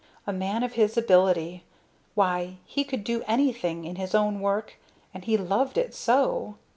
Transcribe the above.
"A man of his ability. Why, he could do anything, in his own work! And he loved it so!